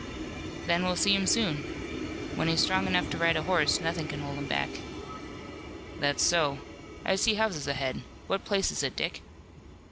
"Then we'll see him soon. When he's strong enough to ride a horse, nothing can hold him back." "That's so. I see houses ahead. What place is it, Dick?"